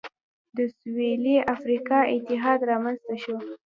د سوېلي افریقا اتحاد رامنځته شو.